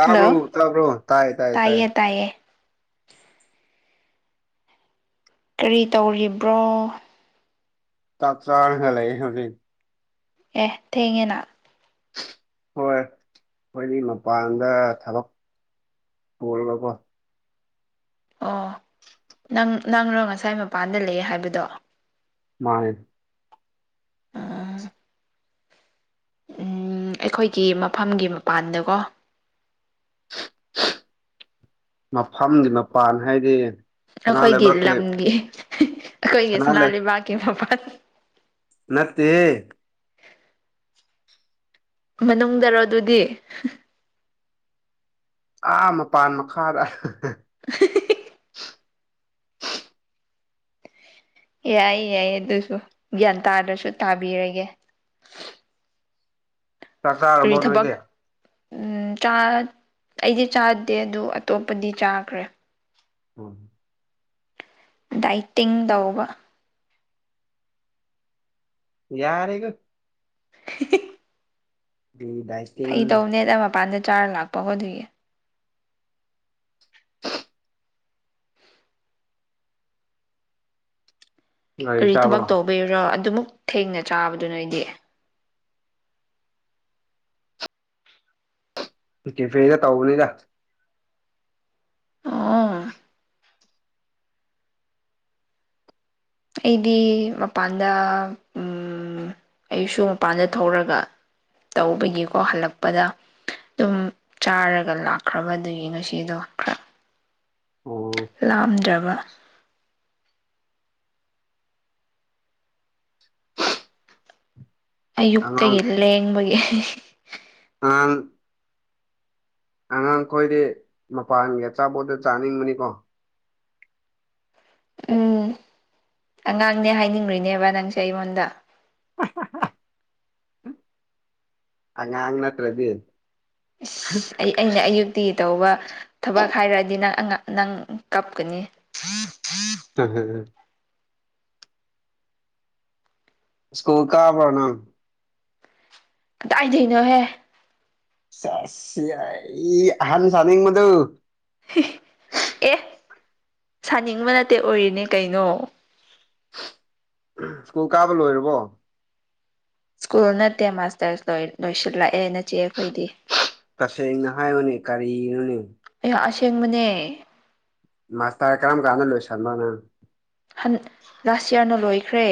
Hello ꯇꯥꯕ꯭ꯔꯣ ꯇꯥꯏ ꯇꯥꯏ ꯇꯥꯏ ꯇꯥꯏꯌꯦ ꯇꯥꯏꯌꯦ ꯀꯔꯤ ꯇꯧꯔꯤꯕ꯭ꯔꯣ ꯇ ꯆꯥꯔꯒ ꯂꯩ ꯍꯧ ꯑꯦ ꯊꯦꯡꯉꯦꯅ ꯍꯣꯏ ꯑꯩꯈꯣꯏꯗꯤ ꯃꯄꯥꯟꯗ ꯊꯕꯛ ꯇꯒꯀꯣ ꯑꯣ ꯅꯪ ꯅꯪꯔꯣ ꯉꯁꯥꯏ ꯃꯄꯥꯟꯗ ꯂꯩꯌꯦ ꯍꯥꯏꯕꯗꯣ ꯃꯥꯥꯏ ꯑꯩꯈꯣꯏꯒꯤ ꯃꯐꯝꯒꯤ ꯃꯄꯥꯟꯗꯀꯣ ꯃꯐꯝꯗꯤ ꯃꯄꯥꯟ ꯍꯥꯏꯗꯤ ꯁꯅꯥ ꯑꯩꯈꯣꯏꯒꯤ ꯂꯩꯕꯥꯛꯀꯤ ꯂꯝꯒꯤ ꯑꯩꯈꯣꯏꯒꯤ ꯁꯅꯥ ꯂꯩꯕꯥꯛꯀꯤ ꯃꯐꯝꯜ ꯅꯠꯇꯦ ꯃꯅꯨꯡꯗꯔꯣ ꯑꯗꯨꯗꯤ ꯑꯥ ꯃꯄꯥꯟ ꯃꯈꯥꯗ ꯑꯍꯍ [inaudible] ꯌꯥꯏꯌꯦ ꯌꯥꯏꯌꯦ ꯑꯗꯨꯁꯨ ꯒ꯭ꯌꯥꯟ ꯇꯥꯗ꯭ꯔꯁꯨ ꯇꯥꯕꯤꯔꯒꯦ ꯆꯥꯛ ꯐ ꯆꯥꯔꯕꯣ ꯅꯣꯏꯗꯤ ꯊꯕꯛ ꯎꯝ ꯆꯥꯠ ꯑꯩꯗꯤ ꯆꯥꯗꯦ ꯑꯗꯨ ꯑꯇꯣꯞꯄꯗꯤ ꯆꯥꯒ꯭ꯔꯦ ꯎ ꯗꯥꯏꯇꯤꯡ ꯇꯧꯕ ꯌꯥꯔꯤꯦꯒ [inaudible] ꯏꯁ ꯐꯩ ꯇꯧꯅꯦꯗ ꯃꯄꯥꯟꯗ ꯆꯥꯔ ꯂꯥꯛꯄꯒꯣ ꯑꯗꯨꯣꯏꯒꯤ ꯀꯔꯤ ꯊꯕꯛ ꯇꯧꯕꯤꯔꯣ ꯑꯗꯨꯃꯛꯛ ꯊꯦꯡꯅ ꯆꯥꯕꯗꯨ ꯅꯣꯏꯗꯤ ꯏ ꯀꯦꯐꯦꯗ ꯇꯧꯕꯅꯤꯗ ꯑꯥ ꯑꯩꯗꯤ ꯃꯄꯥꯟꯗ ꯎꯝ ꯑꯩꯁꯨ ꯃꯄꯥꯟꯗ ꯊꯧꯔꯒ ꯇꯧꯕꯒꯤꯀꯣ ꯍꯜꯂꯛꯄꯗ ꯑꯗꯨꯝ ꯆꯥꯔꯒ ꯂꯥꯛꯈ꯭ꯔꯕ ꯑꯗꯨꯒꯤ ꯉꯁꯤꯗꯣ ꯈꯔ ꯑꯣ ꯂꯥꯝꯗ꯭ꯔꯕ ꯑꯉꯥꯡ ꯑꯌꯨꯛꯇꯒꯤ ꯂꯦꯡꯕꯒꯤ ꯑꯥꯡ ꯑꯉꯥꯡꯈꯣꯏꯗꯤ ꯃꯄꯥꯟꯒꯤ ꯑꯆꯥꯄꯣꯠꯠꯇ ꯆꯥꯅꯤꯡꯕꯅꯤꯀꯣ ꯎꯝ ꯑꯉꯥꯡꯅꯦ ꯍꯥꯏꯅꯤꯡꯔꯤꯅꯦꯕ ꯅꯪꯁꯦ ꯑꯩꯉꯣꯟꯗ [inaudible] ꯑꯪ ꯅꯠꯇ꯭ꯔꯗꯤ ꯏꯁ ꯑꯩ ꯑꯩꯅ ꯑꯌꯨꯛꯇꯒꯤ ꯇꯧꯕ ꯊꯕꯛ ꯍꯥꯏꯔꯛꯑꯗꯤ ꯅꯪ ꯑ ꯅꯪ ꯀꯞꯀꯅꯤ ꯍꯝ ꯍ ꯁ꯭ꯀꯨꯜ ꯀꯥꯕꯣꯅꯥ ꯀꯗꯥꯏꯗꯣꯏꯅꯣꯍꯦ ꯁꯁꯤ ꯑꯏ ꯑꯍꯟ ꯁꯅꯤ ꯃꯗꯨ ꯑꯦ ꯁꯥꯅꯤꯡꯕ ꯅꯠꯇꯦ ꯑꯣꯏꯔꯤꯅꯦ ꯀꯩꯅꯣ ꯎꯝ ꯁ꯭ꯀꯨꯜ ꯀꯥꯕ ꯂꯣꯏꯔꯕꯣ ꯁ꯭ꯀꯨꯜ ꯅꯠꯇꯦ ꯃꯥꯁꯇꯔ ꯂꯣꯏꯁꯤꯜꯂꯛꯑꯦ ꯅꯆꯦ ꯑꯩꯈꯣꯏꯗꯤ ꯇꯁꯦꯡꯅ ꯍꯥꯏꯌꯅꯦ ꯀꯔꯤꯅꯣꯅꯦ ꯑꯩꯍ ꯑꯁꯦꯡꯕꯅꯦ ꯃꯥꯁ ꯇꯔ ꯀꯔꯝ ꯀꯥꯟꯗ ꯂꯣꯏꯁꯟꯕ ꯉꯝ ꯍꯟ ꯂꯥꯁ ꯌꯌꯥꯔꯅ ꯂꯣꯏꯈ꯭ꯔꯦ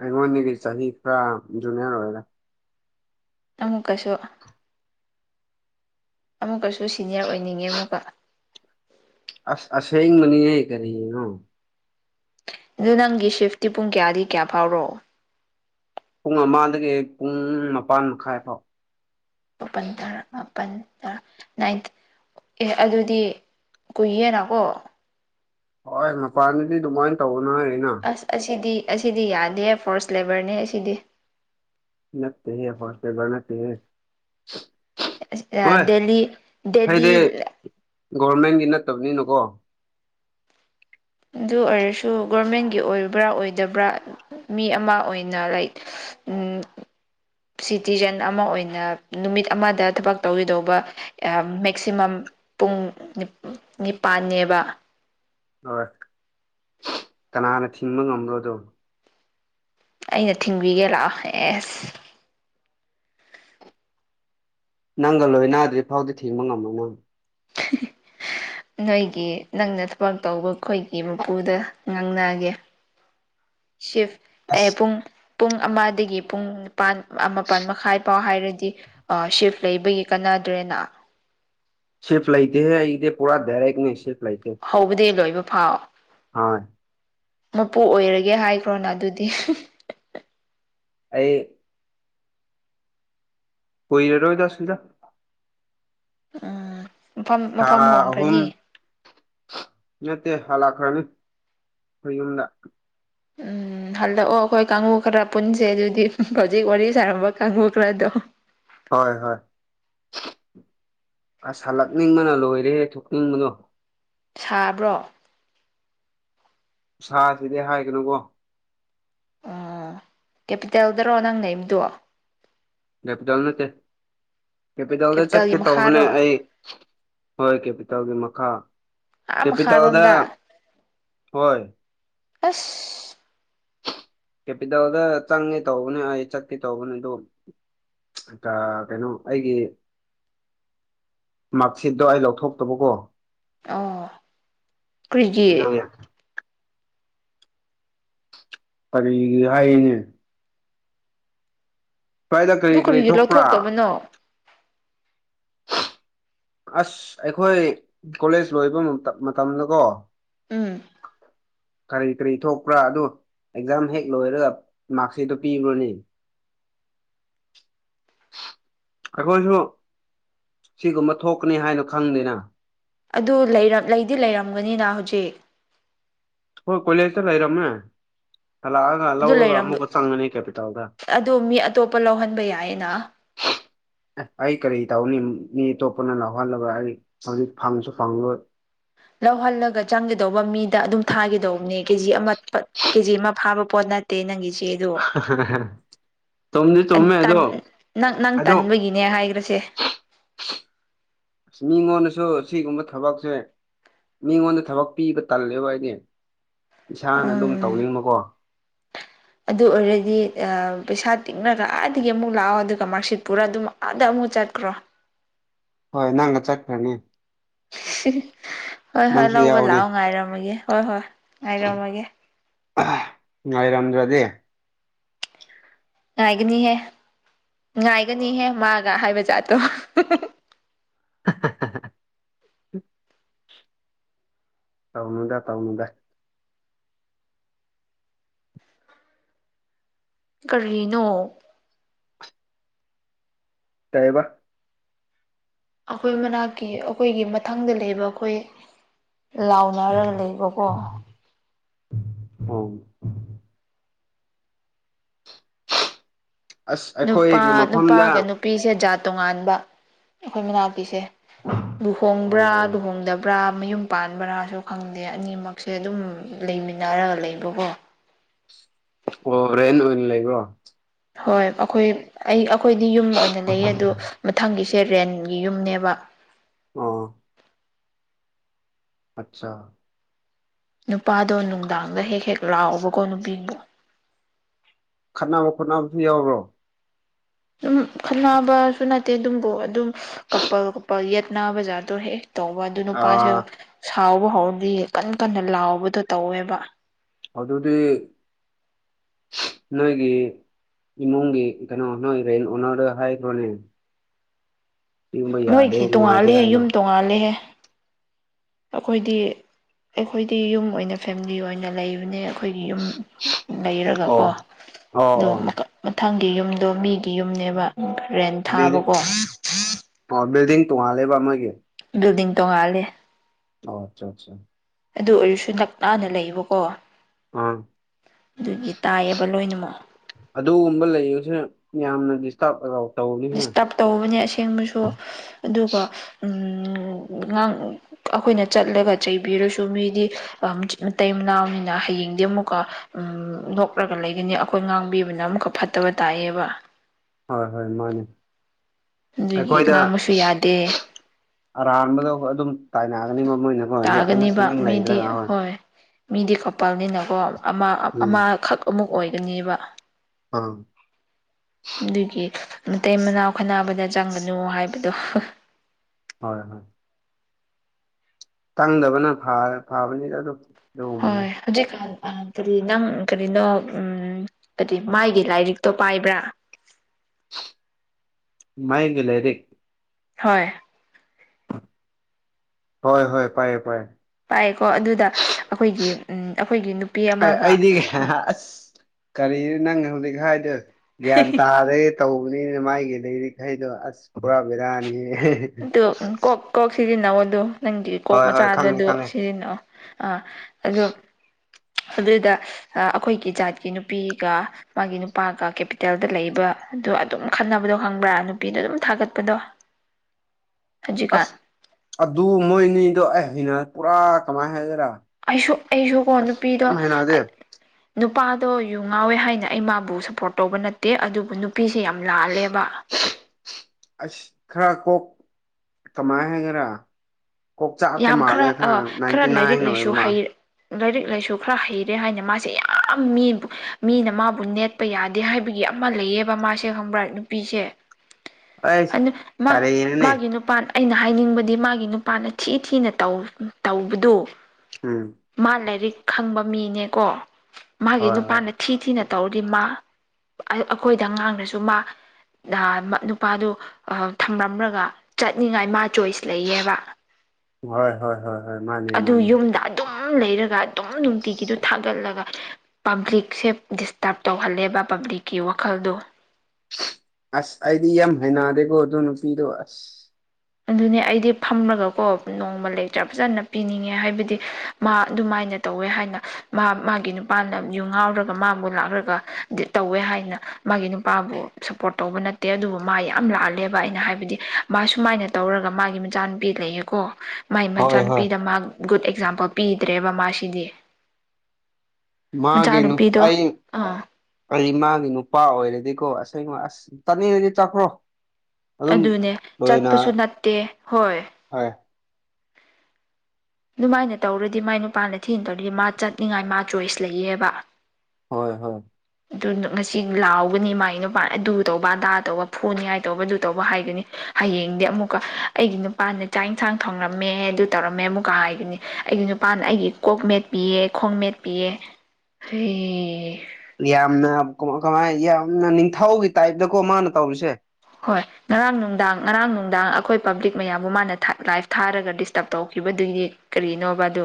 ꯑꯩꯉꯣꯟꯗꯒꯤ ꯆꯍꯤ ꯈꯔ ꯖꯨꯅꯤꯌꯔ ꯑꯣꯏꯔꯦ ꯑꯃꯨꯛꯀꯁꯨ ꯑꯃꯨꯛꯀꯁꯨ ꯁꯤꯅꯤꯌꯔ ꯑꯣꯏꯅꯤꯡꯉꯦ ꯑꯃꯨꯛꯀ ꯑꯁ ꯑꯁ ꯑꯁꯦꯡꯕꯅꯤꯅꯦ ꯀꯔꯤꯅꯣ ꯑꯗꯨ ꯅꯪꯒꯤ ꯁꯤꯐꯇꯤ ꯄꯨꯡ ꯀꯌꯥꯗꯤ ꯀꯌꯥ ꯐꯥꯎꯔꯣ ꯄꯨꯡ ꯑꯃꯗꯒꯤ ꯄꯨꯡ ꯃꯄꯥꯟ ꯃꯈꯥꯏꯐꯥꯎ ꯄꯟ ꯇꯔ ꯄꯟ ꯇ ꯅꯥꯏꯟꯠ ꯑꯦ ꯑꯗꯨꯗꯤ ꯀꯨꯏꯌꯦꯅꯀꯣ ꯍꯣꯏ ꯃꯄꯥꯟꯗꯗꯤ ꯑꯗꯨꯃꯥꯏꯅ ꯇꯧꯅꯔꯤꯅ ꯑꯁ ꯑꯁꯤꯗꯤ ꯑꯁꯤꯗꯤ ꯌꯥꯗꯦ ꯐꯣꯔꯁ ꯂꯦꯕꯔꯅꯦ ꯑꯁꯤꯗꯤ ꯅꯠꯇ ꯍꯁꯒꯔ ꯅꯠꯇ ꯗꯦꯜꯂꯤ ꯗꯦꯜꯂꯤ ꯒꯣꯚꯔꯃꯦꯟꯒꯤ ꯅꯠꯇꯕꯅꯤꯅꯀꯣ ꯑꯗꯨ ꯑꯣꯏꯔꯁꯨ ꯒꯣꯔꯃꯦꯟꯒꯤ ꯑꯣꯏꯕ꯭ꯔꯥ ꯑꯣꯏꯗꯕ꯭ꯔꯥ ꯃꯤ ꯑꯃ ꯑꯣꯏꯅ ꯂꯥꯏꯛ ꯍ ꯎꯝ ꯁꯤꯇꯤꯖꯟ ꯑꯃ ꯑꯣꯏꯅ ꯅꯨꯃꯤꯠ ꯑꯃꯗ ꯊꯕꯛ ꯇꯧꯋꯤꯗꯣꯕ ꯃꯦꯛꯁꯤꯃꯝ ꯄꯨꯡ ꯅꯤꯄꯥꯜꯅꯦꯕ ꯑꯣ ꯀꯅꯥꯅ ꯊꯤꯡꯕ ꯉꯝꯕꯂꯣꯗꯣ ꯑꯩꯅ ꯊꯤꯡꯕꯤꯒꯦ ꯂꯥꯛꯑꯣ ꯑꯦꯁ ꯅꯪꯒ ꯂꯣꯏ ꯗ꯭ꯔꯤ ꯐꯥꯎꯗꯤ ꯊꯤꯡꯕ ꯉꯝꯃ ꯅꯪ ꯍꯤꯍꯤꯍ ꯅꯣꯏꯒꯤ ꯅꯪꯅ ꯊꯕꯛ ꯇꯧꯕ ꯑꯈꯣꯏꯒꯤ ꯃꯄꯨꯗ ꯉꯥꯡꯅꯒꯦ ꯁꯤꯤꯐ ꯑꯦ ꯑꯁ ꯄꯨꯡ ꯄꯨꯡ ꯑꯃꯗꯒꯤ ꯄꯨꯡ ꯅꯤꯄꯥꯟ ꯃꯄꯥꯟ ꯃꯈꯥꯏ ꯄꯥꯎ ꯍꯥꯏꯔꯗꯤ ꯑ ꯁꯤꯐ ꯂꯩꯕꯒꯤ ꯀꯥꯟꯅꯗ꯭ꯔꯦꯅ ꯁꯤꯤꯞ ꯂꯥꯏꯦ ꯏꯦ ꯄ ꯄꯨꯔ ꯗꯦꯔꯦꯛꯅꯦ ꯁꯤꯞ ꯂꯩꯥꯏꯇꯦ ꯍꯧꯕꯗꯤ ꯂꯣꯏꯕ ꯐꯥꯎ ꯍꯣꯏ ꯃꯄꯨ ꯑꯣꯏꯔꯒꯦ ꯍꯥꯏꯈ꯭ꯔꯣꯅ ꯑꯗꯨꯗꯤ ꯑꯩ ꯀꯣꯏ ꯔꯦꯠꯣꯗꯁꯕꯤꯗ ꯎꯝ ꯃꯐꯝ ꯊꯥ ꯃꯐꯝ ꯑꯍꯨꯝ ꯍꯣꯡꯈ꯭ꯔꯅꯤ ꯅꯠꯇꯦ ꯍꯥꯂꯥꯛꯈ꯭ꯔꯅꯤ ꯑꯩꯈ ꯌꯨꯝꯗ ꯎꯝ ꯍꯜꯂꯛꯑꯣ ꯑꯩꯈꯣꯏ ꯀꯥꯡꯨ ꯈꯔ ꯄꯨꯟꯁꯦ ꯑꯗꯨꯗꯤ ꯍꯧꯖꯤꯛ ꯋꯥꯔꯤ ꯁꯥꯔꯝꯕ ꯀꯥꯡꯨ ꯈꯔꯗꯣ ꯍꯣꯏ ꯍꯣꯏ ꯑꯁ ꯍꯜꯂꯛꯅꯤꯡꯕꯅ ꯂꯣꯏꯔꯦꯍꯦ ꯊꯣꯛꯅꯤꯡꯕꯅꯣ ꯁꯥꯕ꯭ꯔꯣ ꯁꯥꯁꯤꯗꯤ ꯍꯥꯏꯒꯅꯨꯀ ꯑꯥ ꯀꯦꯄꯤꯇꯦꯜꯗꯔꯣ ꯅꯪ ꯅꯩꯕꯗꯨ ꯀꯦꯄꯤꯇꯥꯜ ꯅꯠꯇꯦ ꯀꯦꯄꯤꯇꯥꯜꯗ ꯆꯠꯀꯦ ꯀꯦꯄꯤꯇꯦꯜꯒꯤ ꯇꯧꯕꯅꯦ ꯃꯈꯥꯔꯣ ꯑꯩ ꯍꯣꯏ ꯀꯦ ꯄꯤ ꯇꯒꯤ ꯃꯈꯥ ꯑꯥ ꯀꯦꯄꯤꯇꯥꯜꯗ ꯃꯈꯥꯔꯣꯝꯗ ꯍꯣꯏ ꯑꯁ ꯀꯦꯄꯤꯇꯥꯜꯗ ꯆꯪꯉꯦ ꯇꯧꯕꯅꯦ ꯑꯩ ꯆꯠꯇꯤ ꯇꯧꯕꯅꯦ ꯑꯗꯨ ꯑ ꯀꯩꯅꯣ ꯑꯩꯒꯤ ꯃꯥꯔꯛꯁꯤꯠꯇꯣ ꯑꯩ ꯂꯧꯊꯣꯛꯇꯕꯀꯣ ꯑꯣ ꯀ꯭ꯔꯤꯒꯤ ꯑꯗꯨꯒꯤ ꯀꯔꯤꯒꯤ ꯍꯥꯏꯅꯦ ꯁꯏꯗ ꯀꯔꯤ ꯑꯗꯨ ꯀꯔꯤ ꯀꯔꯤꯒꯤ ꯊꯣꯛꯄ꯭ꯔꯥ ꯂꯧꯊꯣꯛꯇꯕꯅꯣ ꯑꯁ ꯑꯩꯈꯣꯏ ꯀꯣꯂꯦꯖ ꯂꯣꯏꯕ ꯃꯇꯝꯗꯀꯣ ꯎꯝ ꯀꯔꯤ ꯀꯔꯤ ꯊꯣꯛꯄ꯭ꯔꯥ ꯑꯗꯨ ꯑꯦꯛꯖꯥꯝ ꯍꯦꯛ ꯂꯣꯏꯔꯒ ꯃꯥꯔꯛꯁꯤꯗꯣ ꯄꯤꯕ꯭ꯔꯣꯅꯦ [inaudible] ꯑꯩꯈꯣꯏꯁꯨ ꯁꯤꯒꯨꯝꯕ ꯊꯣꯛꯀꯅꯤ ꯍꯥꯏꯅꯣ ꯈꯪꯗꯦꯅ ꯑꯗꯨ ꯂꯩꯗꯤ ꯂꯩꯔꯝꯒꯅꯤꯅ ꯍꯧꯖꯤꯛ ꯍꯣꯏ ꯀꯣꯏꯂꯇꯔ ꯏꯔꯝꯃꯃꯦꯂ ꯑ ꯑꯗꯨ ꯂꯧꯔꯒ ꯂꯩꯔꯝꯕ ꯑꯃꯨꯛꯀ ꯆꯪꯉꯅꯤ ꯀꯦꯄꯤꯇꯥꯜꯗ ꯑꯗꯨ ꯃꯤ ꯑꯇꯣꯞꯄ ꯂꯧꯍꯟꯕ ꯌꯥꯏꯌꯦꯅ ꯑꯦ ꯑꯩ ꯀꯔꯤ ꯇꯧꯅꯤ ꯃꯤ ꯑꯇꯣꯞꯄꯅ ꯂꯥꯎꯍꯜꯂꯒ ꯑꯩ ꯍꯧꯖꯤꯛ ꯐꯪꯁꯨ ꯐꯪꯂꯣꯏ ꯂꯧꯍꯜꯂꯒ ꯆꯪꯒꯗꯧꯕ ꯃꯤꯗ ꯑꯗꯨꯝ ꯊꯥꯒꯗꯧꯕꯅꯦ ꯀꯦꯖꯤ ꯑꯃ ꯀꯦꯖꯤ ꯑꯃ ꯐꯥꯕ ꯄꯣꯠ ꯅꯠꯇꯦ ꯅꯪꯒꯤꯆꯦꯗꯣ ꯇꯨꯝꯗꯤ ꯇꯨꯝꯃꯦ ꯑꯗꯣ ꯑꯗꯨꯛ ꯅ ꯍꯥꯏꯈ꯭ꯔꯁꯦ ꯑ ꯃꯤꯉꯣꯟꯗꯁꯨ ꯁꯤꯒꯨꯝꯕ ꯊꯕꯛꯁꯦ ꯃꯤꯉꯣꯟꯗ ꯊꯕꯛ ꯄꯤꯕ ꯇꯜꯂꯦꯕ ꯍꯥꯏꯗꯤ ꯑꯥꯝ ꯑꯗꯨ ꯑꯣꯏꯔꯗꯤ ꯑ ꯄꯩꯁꯥ ꯇꯤꯡꯔꯒ ꯑꯗꯒꯤ ꯑꯃꯨꯛ ꯂꯥꯛꯑꯣ ꯑꯗꯨꯒ ꯃꯥꯔꯛꯁꯤꯠ ꯄꯨꯔꯥ ꯑꯗꯨꯝ ꯑꯗ ꯑꯃꯨꯛ ꯆꯠꯈ꯭ꯔꯣ ꯍꯣꯏ ꯅꯪꯒ ꯆꯠꯈ꯭ꯔꯅꯤ ꯍꯣꯏ ꯍꯣꯏ ꯅꯪꯁꯨ ꯂꯧꯕ ꯌꯥꯎꯅꯤ ꯂꯥꯛꯑꯣ ꯉꯥꯏꯔꯝꯃꯒꯦ ꯍꯣꯏ ꯍꯣꯏ ꯉꯥꯏꯔꯝꯃꯒꯦ ꯑꯍ ꯉꯥꯏꯔꯝꯗ꯭ꯔꯗꯤ ꯉꯥꯏꯒꯅꯤꯍꯦ ꯉꯥꯏꯒꯅꯤꯍꯦ ꯃꯥꯒ ꯍꯥꯏꯕ ꯖꯥꯠꯇꯣ ꯍꯍ ꯇꯧꯅꯗ ꯇꯧꯅꯗ ꯀꯔꯤꯅꯣ ꯇꯕ ꯑꯩꯈꯣꯏ ꯃꯅꯥꯛꯀꯤ ꯑꯩꯈꯣꯏꯒꯤ ꯃꯊꯪꯗ ꯂꯩꯕ ꯑꯩꯈꯣꯏ ꯂꯥꯎꯅꯔꯒ ꯂꯩꯕꯀꯣ [unintelligible] ꯑꯁ ꯅꯨꯄꯥ ꯑꯩꯈꯣꯏꯒꯤ ꯃꯐꯝꯗ ꯅꯨꯄꯥꯒ ꯅꯨꯞ ꯄꯤꯁꯦ ꯖꯥꯠ ꯇꯣꯉꯥꯟꯕ ꯑꯈꯣꯏ ꯃꯅꯥꯛꯀꯤꯁꯦ ꯂꯨꯍꯣꯡꯕ꯭ꯔꯥ ꯑꯣ ꯂꯨꯍꯣꯡꯗꯕ ꯄꯨꯔꯥ ꯃꯌꯨꯝ ꯄꯥꯟꯕ꯭ꯔꯥꯁꯨ ꯈꯪꯗꯦ ꯑꯅꯤꯃꯛꯁꯦ ꯑꯗꯨꯝ ꯂꯩꯃꯤꯟꯅꯔꯒ ꯂꯩꯕꯀꯣ ꯑꯣ ꯔꯦꯟ ꯑꯣꯏꯅ ꯂꯩꯕꯔꯣ ꯍꯣꯏ ꯑꯩꯈꯣꯏ ꯑꯩ ꯑꯩꯈꯣꯏꯗꯤ ꯌꯨꯝ ꯑꯣꯏꯅ ꯂꯩꯌꯦ ꯑꯗꯨꯗꯣ ꯃꯊꯪꯒꯤꯁꯦ ꯔꯦꯟꯒꯤ ꯌꯨꯝꯅꯦꯕ ꯑ ꯑꯆꯥ ꯅꯨꯄꯥꯗꯣ ꯅꯨꯡꯗꯥꯡꯗ ꯍꯦꯛ ꯍꯦꯛ ꯂꯥꯛꯑꯣꯕꯀꯣ ꯅꯨꯄꯤꯕꯨꯣ ꯈꯠꯅꯕ ꯈꯣꯠꯅꯕꯁꯨ ꯌꯥꯎꯕ꯭ꯔꯣ ꯑꯗꯨꯝ ꯈꯠꯕꯁꯨ ꯅꯠꯇꯦ ꯑꯗꯨꯝꯕꯨ ꯑꯗꯨꯝ ꯀꯞꯄꯜ ꯀꯄꯜ ꯌꯦꯠꯅꯥꯕꯖꯥꯗ ꯍꯦ ꯇꯧ ꯋꯥ ꯑꯗꯨ ꯅꯨꯄꯥꯁꯨ ꯑꯥ ꯁꯥꯎꯕ ꯍꯧꯔꯕꯗꯤ ꯀꯟꯅ ꯀꯟꯅ ꯂꯥꯎꯕꯗꯣ ꯇꯧꯋꯦꯕ ꯑꯗꯨꯗꯤ ꯅꯣꯏꯒꯤ ꯏꯃꯨꯡꯒꯤ ꯀꯩꯅꯣ ꯅꯣꯏꯔꯦꯟ ꯑꯣꯅꯔꯗ ꯍꯥꯏꯈ꯭ꯔꯣꯅꯦ ꯁꯤꯒꯨꯝꯕ ꯌꯥꯗꯦ ꯃꯣꯏꯒꯤꯗꯤ ꯅꯨꯡꯉꯥꯏꯇꯦ ꯇꯣꯡꯉꯥꯂꯍꯦ ꯍꯥꯏꯗꯣ ꯌꯨꯝ ꯇꯣꯡꯉꯥꯂꯍꯦ ꯑꯩꯈꯣꯏꯗꯤ ꯑꯩꯈꯣꯏꯗꯤ ꯌꯨꯝ ꯑꯣꯏꯅ ꯐꯦꯃꯤꯂꯤ ꯑꯣꯏꯅ ꯂꯩꯕꯅꯦ ꯑꯩꯈꯣꯏꯒꯤ ꯌꯨꯝ ꯂꯩꯔꯒꯀꯣ ꯑꯣ ꯑꯣ ꯑꯗꯣ ꯑꯣ ꯃꯊꯪꯒꯤ ꯌꯨꯝꯗꯣ ꯃꯤꯒꯤ ꯌꯨꯝꯅꯦꯕ ꯎ ꯔꯦꯟ ꯕꯤꯜꯗꯤꯡ ꯊꯥꯕꯀꯣ ꯑꯣ ꯕꯤꯜꯗꯤꯡ ꯇꯣꯉꯥꯜꯂꯦꯕ ꯃꯥꯒꯤ ꯕꯤꯜꯗꯤꯡ ꯇꯣꯡꯉꯥꯜꯂꯦ ꯑꯣ ꯑꯠꯆꯥ ꯑꯆꯥ ꯑꯗꯨ ꯑꯣꯏꯔꯁꯨ ꯅꯛ ꯅꯥꯟꯅ ꯂꯩꯌꯦꯕꯀꯣ ꯑꯥ ꯑꯗꯨꯒꯤ ꯇꯥꯏꯌꯦꯕ ꯂꯣꯏꯅꯃꯛ ꯑꯗꯨꯒꯨꯝꯕ ꯂꯩꯕꯁꯦ ꯌꯥꯝꯅ ꯗꯤꯁꯇꯔꯕ ꯂꯧ ꯇꯧꯅꯤꯍ ꯗꯤꯁꯇꯔꯕ ꯇꯧꯕꯅꯦ ꯑꯁꯦꯡꯕꯁꯨ ꯑꯗꯨꯒ ꯎꯝ ꯉꯥꯡ ꯑꯩꯈꯣꯏꯅ ꯆꯠꯂꯒ ꯆꯩꯕꯤꯔꯁꯨ ꯃꯤꯗꯤ ꯃꯇꯩ ꯃꯅꯥꯎꯅꯤꯅ ꯍꯌꯦꯡꯗꯤ ꯑꯃꯨꯛꯀꯣ ꯅꯣꯛꯂꯒ ꯂꯩꯒꯅꯤ ꯑꯩꯈꯣꯏ ꯉꯥꯡꯕꯤꯕꯅ ꯑꯃꯨꯛꯈꯛ ꯐꯠꯇꯕ ꯇꯥꯛꯑꯦꯕ ꯍꯣꯏ ꯍꯣꯏ ꯃꯥꯅꯦ ꯑꯗꯨꯒꯤ ꯑꯩꯈꯣꯏꯗ ꯉꯥꯡꯕꯁꯨ ꯌꯥꯗꯦ ꯑꯔꯥꯟꯕꯗꯣ ꯑꯗꯨꯝ ꯇꯥꯏꯅꯑꯒꯅꯤ ꯃꯃꯣꯏꯅꯀꯣ ꯇꯥꯒꯅꯤꯕ ꯁꯡ ꯃꯤꯗꯤ ꯂꯩꯗ꯭ꯔꯒ ꯍꯣꯏ ꯃꯤꯗꯤ ꯀꯄꯜꯅꯤꯅꯀꯣ ꯑꯃ ꯎꯝ ꯑꯃꯈꯛ ꯑꯃꯨꯛ ꯑꯣꯏꯒꯅꯦꯕ ꯑꯥ꯫ ꯑꯗꯨꯒꯤ ꯃꯇ ꯃꯅꯥꯎ ꯈꯅꯥꯕꯗ ꯆꯪꯒꯅꯨ ꯍꯥꯏꯕꯗꯣ ꯍꯣꯏ ꯍꯣꯏ ꯇꯪꯗꯕꯅ ꯐꯥꯕꯅꯤꯗ ꯑꯗꯣ ꯍꯧꯖꯤꯛ ꯀꯔꯤ ꯅꯪ ꯀꯔꯤꯅꯣ ꯑꯝ ꯍꯥꯏꯗꯤ ꯃꯥꯥꯏꯒꯤ ꯂꯥꯏꯔꯤꯛꯇꯣ ꯄꯥꯏꯕ꯭ꯔꯥ꯫ ꯃꯥꯏꯒ ꯂꯩꯔꯦ ꯍꯣꯏ ꯍꯣꯏ ꯍꯣꯏ ꯄꯥꯏꯌꯦ ꯄꯥꯏ ꯄꯥꯏꯌꯦꯀꯣ ꯑꯗꯨꯗ ꯑꯩꯈꯣꯏꯒꯤ ꯑꯩꯈꯣꯏꯒꯤ ꯅꯨꯄꯤ ꯑꯩ ꯑꯃꯒ ꯑꯩꯗꯤ ꯑꯁ ꯀꯔꯤ ꯅꯪ ꯍꯧꯖꯤꯛ ꯍꯥꯏꯗꯣ ꯒ꯭ꯌꯥꯟ ꯇꯥꯔꯦ ꯇꯧꯕꯅꯤꯅ ꯃꯥꯥꯏꯒꯤ ꯂꯩꯔꯤꯈꯩꯗꯣ ꯑꯁ ꯄꯨꯔꯥ ꯕꯦꯔꯥꯅꯤ ꯑꯗꯨ ꯀꯣꯛ ꯀꯣꯣꯛ ꯁꯤꯁꯤ ꯅ ꯑꯗꯨ ꯅꯪꯒꯤ ꯀꯣꯛ ꯍꯣꯏ ꯍꯣꯏ ꯈꯪꯉꯦ ꯃꯆꯥꯗꯗꯣ ꯈꯪꯉꯦ ꯁꯤꯖꯤꯟꯅꯑꯣ ꯑꯥ ꯑꯣ ꯑꯗꯨꯗ ꯑꯩꯈꯣꯏꯒꯤ ꯖꯥꯠꯀꯤ ꯅꯨꯄꯤꯒ ꯃꯥꯒꯤ ꯅꯨꯄꯥꯒ ꯀꯦꯄꯤꯇꯦꯜꯗ ꯂꯩꯕ ꯑꯗꯨꯗꯣ ꯑꯗꯨꯝ ꯈꯟꯅꯕꯗꯣ ꯈꯪꯕ꯭ꯔꯥ ꯅꯨꯄꯤꯗꯣ ꯑꯗꯨꯝ ꯊꯥꯒꯠꯄꯗꯣ ꯁꯆ ꯀꯥ ꯑꯁ ꯑꯗꯨ ꯃꯣꯏꯅꯤꯗꯣ ꯑꯩꯩꯅ ꯄꯨꯔꯥ ꯀꯃꯥꯏꯅ ꯍꯥꯏꯒꯣꯏꯔꯥ ꯑꯩꯁꯨ ꯑꯩꯁꯨꯀꯣ ꯅꯨꯄꯤꯗꯣ ꯅꯨꯄꯥꯗꯣ ꯌꯨ ꯉꯥꯎꯋꯦ ꯍꯥꯏꯅ ꯑꯩ ꯃꯥꯕꯨ ꯁꯞꯄꯣꯔꯠ ꯇꯧꯕ ꯅꯠꯇꯦ ꯑꯗꯨꯕꯨ ꯅꯨꯄꯤꯁꯦ ꯌꯥꯝ ꯂꯥꯜꯂꯦꯕ ꯑꯁ ꯈꯔ ꯀꯣꯛ ꯀꯃꯥꯏꯅ ꯍꯥꯏꯒ꯭ꯔꯥ ꯀꯣꯛ ꯆꯥꯛꯄ ꯌꯥꯝ ꯃꯥꯜꯂꯦ ꯑ ꯈꯔ ꯅꯥꯏꯟꯇꯤ ꯂꯥꯏꯔꯤꯛ ꯅꯥꯏꯟ ꯑꯣꯏꯕ ꯂꯥꯏꯁꯨ ꯍꯩ ꯃꯥꯜꯂꯦ ꯂꯥꯏꯔꯤꯛ ꯂꯥꯏꯁꯨ ꯈꯔ ꯍꯩꯔꯦ ꯍꯥꯏꯅ ꯃꯥꯁꯦ ꯌꯥꯝ ꯃꯤ ꯃꯤꯅ ꯃꯥꯕꯨ ꯅꯦꯠ ꯆꯠꯄ ꯌꯥꯗꯦ ꯍꯥꯏꯕꯒꯤ ꯑꯃ ꯂꯩꯌꯦꯕ ꯃꯥꯁꯦ ꯈꯪꯕ꯭ꯔꯥ ꯅꯨꯄꯤꯁꯦ ꯑ ꯑꯩꯁ ꯃꯥ ꯀꯔꯤꯅꯣꯅꯦ ꯃꯥꯒꯤꯅ ꯅꯨꯄꯥ ꯑꯩꯅ ꯍꯥꯏꯅꯤꯡꯕꯗꯤ ꯃꯥꯒꯤ ꯅꯨꯄꯥꯅ ꯊꯤ ꯊꯤꯅ ꯇꯧꯕꯗꯣ ꯎꯝ ꯃꯥ ꯂꯥꯏꯔꯤꯛ ꯈꯪꯕ ꯃꯤꯅꯦꯀꯣ ꯃꯥꯒꯤ ꯍꯣꯏ ꯍꯣꯏ ꯅꯨꯄꯥꯅ ꯊꯤ ꯊꯤꯅ ꯇꯧꯔꯤ ꯃꯥ ꯑꯩꯈꯣꯏꯗ ꯑ ꯉꯥꯡꯗꯁꯨ ꯃꯥ ꯅꯨꯄꯥꯗꯨ ꯊꯝꯂꯝꯝꯂꯒ ꯆꯠꯅꯤꯡꯉꯥꯏ ꯃꯥ ꯆꯣꯏꯁ ꯂꯩꯌꯦꯕ ꯍꯣꯏ ꯍꯣꯏ ꯍꯣꯏ꯫ ꯍꯣꯏ ꯃꯥꯅꯤ ꯑꯗꯨ ꯃꯥꯅꯤ ꯌꯨꯝꯗ ꯑꯗꯨꯝ ꯂꯩꯔꯒ ꯑꯗꯨꯝ ꯅꯨꯡꯇꯤꯒꯤꯗꯨ ꯊꯥꯒꯠꯂꯒ ꯄꯕ꯭ꯂꯤꯛꯁꯦ ꯗꯤꯁꯇꯔꯕ ꯇꯧꯍꯜꯂꯦꯕ ꯄꯕ꯭ꯂꯤꯛꯀꯤ ꯋꯥꯈꯜꯗꯣ ꯑꯁ ꯑꯩꯗꯤ ꯌꯥꯝ ꯍꯅꯗꯦꯀꯣ ꯑꯗꯨ ꯅꯨꯄꯤꯗꯣ ꯑꯁ ꯑꯗꯨꯅꯦ ꯑꯩꯗꯤ ꯐꯝꯃꯒꯀꯣ ꯅꯣꯡꯃ ꯂ ꯂꯩꯛꯇ ꯐꯖꯅ ꯄꯤꯅꯤꯡꯉꯦ ꯍꯥꯏꯕꯗꯤ ꯃꯥ ꯑꯗꯨꯃꯥꯏꯅ ꯇꯧꯋꯦ ꯍꯥꯏꯅ ꯃꯥ ꯃꯥꯒꯤ ꯅꯨꯄꯥꯅ ꯌꯨ ꯉꯥꯎꯔꯒ ꯃꯥꯕꯨ ꯂꯥꯛꯂꯒ ꯇꯧꯋꯦ ꯍꯥꯏꯅ ꯃꯥꯒꯤ ꯅꯨꯄꯥꯕꯨ ꯁꯞꯄꯣꯔꯠ ꯇꯧꯕ ꯅꯠꯇꯦ ꯑꯗꯨꯕꯨ ꯃꯥ ꯌꯥꯝ ꯂꯥꯜꯂꯦꯕ ꯑꯩꯅ ꯍꯥꯏꯕꯗꯤ ꯃꯥ ꯁꯨꯃꯥꯏꯅ ꯇꯧꯔꯒ ꯃꯥꯒꯤ ꯃꯆꯥꯅꯨꯄꯤ ꯂꯩꯌꯦꯀꯣ ꯃꯥꯒꯤ ꯍꯣꯏ ꯍꯣꯏ ꯃꯆꯥꯅꯨꯄꯤꯗ ꯃꯥ ꯒꯨꯗ ꯑꯦꯛꯖꯥꯝꯄꯜ ꯄꯤꯗ꯭ꯔꯦꯕ ꯃꯥꯁꯤꯗꯤ ꯃꯥꯒꯦꯅꯨ ꯃꯆꯥꯅꯨꯄꯤꯗꯣ ꯑꯩ ꯑꯥ ꯑꯩ ꯃꯥꯒꯤ ꯅꯨꯄꯥ ꯑꯣꯏꯔꯗꯤꯀꯣ ꯑꯁꯩꯅꯣ ꯑꯁ ꯇꯅꯦꯔꯗꯤ ꯆꯠꯈ꯭ꯔꯣ ꯑꯗꯨꯝ ꯑꯗꯨꯅꯦ ꯆꯠꯄꯁꯨ ꯅꯠꯇꯦ ꯍꯣꯏ ꯍ ꯑꯗꯨꯃꯥꯏꯅ ꯇꯧꯔꯗꯤ ꯃꯥꯏ ꯅꯨꯄꯥꯅ ꯊꯤꯅ ꯇꯧꯔꯗꯤ ꯃꯥ ꯆꯠꯅꯤꯡꯉꯥꯏ ꯃꯥ ꯆꯣꯏꯁ ꯂꯩꯌꯦꯕ ꯍꯣꯏ ꯍꯣꯏ ꯑꯗꯨ ꯉꯁꯤ ꯂꯥꯎꯒꯅꯤ ꯃꯥꯒꯤ ꯅꯨꯄꯥ ꯑꯗꯨꯗꯨ ꯇꯧꯕ ꯑꯗꯥ ꯇꯧꯕ ꯐꯣꯟꯅꯤ ꯍꯥꯏ ꯇꯧꯕ ꯑꯗꯨꯗꯨ ꯇꯧꯕ ꯍꯥꯏꯒꯅꯤ ꯍꯌꯦꯡꯗꯤ ꯑꯃꯨꯛꯀ ꯑꯩꯒꯤ ꯅꯨꯄꯥꯅ ꯆꯥꯛ ꯌꯦꯟꯁꯥꯡ ꯊꯣꯡꯉꯝꯃꯦ ꯑꯗꯨ ꯇꯧꯔꯝꯃꯦ ꯑꯃꯨꯛ ꯀꯥ ꯍꯥꯏꯒꯅꯤ ꯑꯩꯒꯤ ꯅꯨꯄꯥꯅ ꯑꯩꯒꯤ ꯀꯣꯛ ꯃꯦꯠꯄꯤꯤꯌꯦ ꯈꯣꯡ ꯃꯦꯠꯄꯤꯌꯦ ꯍ ꯌꯥꯝꯅ ꯀꯃꯥꯏ ꯌꯥꯝꯅ ꯅꯤꯡꯊꯧꯒꯤ ꯇꯥꯏꯞꯇꯀꯣ ꯃꯥꯅ ꯇꯧꯔꯤꯁꯦ ꯍꯣꯏ ꯉꯔꯥꯡ ꯅꯨꯡꯗꯥꯡ ꯉꯔꯥꯡ ꯅꯨꯡꯗꯥꯡ ꯑꯩꯈꯣꯏ ꯄꯕ꯭ꯂꯤꯛ ꯃꯌꯥꯝꯕꯨ ꯃꯥꯅ ꯊ ꯃꯥꯅ ꯂꯥꯏꯐ ꯊꯥꯔꯒ ꯗꯤꯁꯇꯞ ꯇꯧꯈꯤꯕꯗꯨꯒꯤ꯫ ꯀꯔꯤꯅꯣꯕꯗꯣ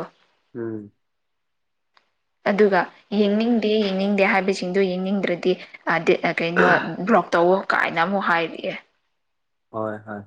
ꯎꯝ ꯑꯗꯨꯒ ꯌꯦꯡꯅꯤꯡꯗꯦ ꯌꯦꯡꯅꯤꯡꯗꯦ ꯍꯥꯏꯕꯁꯤꯡꯗꯨꯣ ꯌꯦꯡꯅꯤꯡꯗ꯭ꯔꯗꯤ ꯀꯩꯅꯣ ꯕ꯭ꯂꯣꯛ ꯇꯧꯋ ꯀꯥꯏꯅ ꯑꯃꯨꯛ ꯍꯥꯏꯔꯛꯑꯦ ꯍꯣꯏ ꯍꯣꯏ